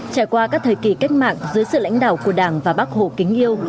trải qua các thời kỳ cách mạng dưới sự lãnh đạo của đảng và bác hồ kính yêu